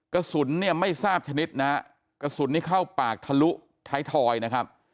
กระสุนเนี่ยไม่ทราบชนิดนะฮะกระสุนนี้เข้าปากทะลุท้ายทอยนะครับ